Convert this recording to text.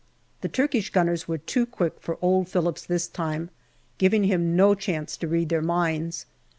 The Turkish gunners were too quick for old Phillips this time, giving him no chance to read their minds.